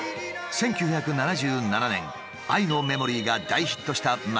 １９７７年「愛のメモリー」が大ヒットした松崎さん。